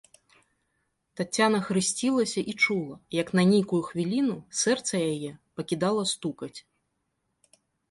Таццяна хрысцілася і чула, як на нейкую хвіліну сэрца яе пакідала стукаць.